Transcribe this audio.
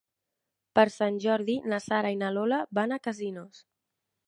Per Sant Jordi na Sara i na Lola van a Casinos.